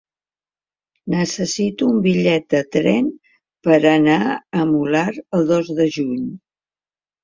Necessito un bitllet de tren per anar al Molar el dos de juny.